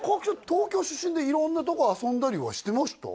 東京出身で色んなとこ遊んだりはしてました？